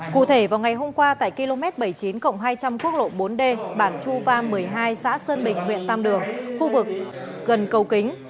cụ thể vào ngày hôm qua tại km bảy mươi chín hai trăm linh quốc lộ bốn d bản chu va một mươi hai xã sơn bình huyện tam đường khu vực gần cầu kính